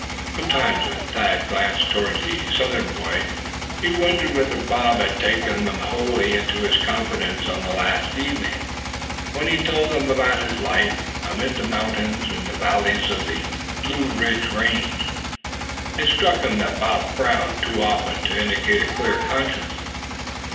Sometimes, when Thad glanced toward the Southern boy, he wondered whether Bob had taken them wholly into his confidence on the last evening when he told them about his life amid the mountains and valleys of the Blue Ridge Range. It struck him that Bob frowned too often to indicate a clear conscience.